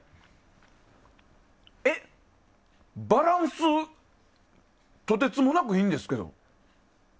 えっ、バランスとてつもなくいいんですけど。